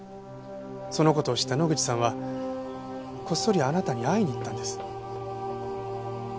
その事を知った野口さんはこっそりあなたに会いに行ったんです。